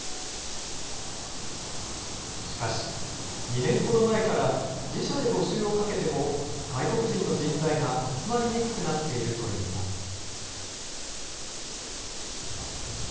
しかし、２年ほど前から、自社で募集をかけても、外国人の人材が集まりにくくなっているといいます。